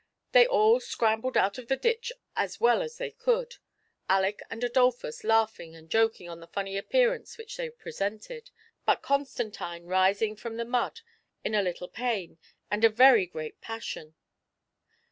They all scrambled out of the ditch as well as they could, Aleck and Adolphus laughing and joking on the fimny appearance which they presented, but Constantine rising from the mud in . a little pain and a very great passion.